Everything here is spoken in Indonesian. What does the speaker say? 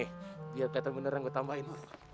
eh biar kelihatan beneran gue tambahin